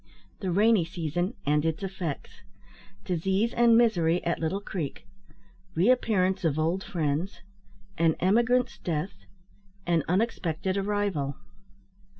THE RAINY SEASON, AND ITS EFFECTS DISEASE AND MISERY AT LITTLE CREEK REAPPEARANCE OF OLD FRIENDS AN EMIGRANT'S DEATH AN UNEXPECTED ARRIVAL.